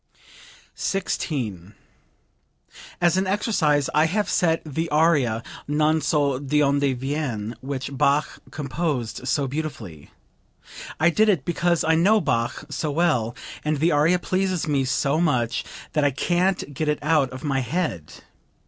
16. "As an exercise I have set the aria, 'Non so d'onde viene,' which Bach composed so beautifully. I did it because I know Bach so well, and the aria pleases me so much that I can't get it out of my head.